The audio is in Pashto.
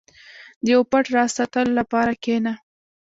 • د یو پټ راز ساتلو لپاره کښېنه.